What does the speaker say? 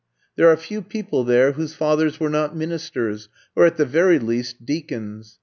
There are few people there whose fathers were not ministers,, or at the very least, deacons.